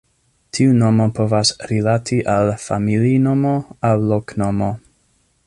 Tiu nomo povas rilati al familinomo aŭ loknomo.